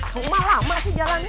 lama lama sih jalannya